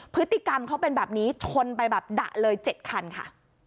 พฤติกรรมเขาเป็นแบบนี้ชนไปแบบดะเลย๗คันค่ะ